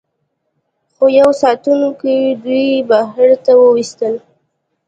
خو یوه ساتونکي دوی بهر ته وویستل